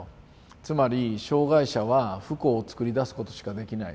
つまり「障害者は不幸を作り出すことしかできない。